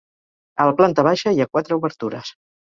A la planta baixa hi ha quatre obertures.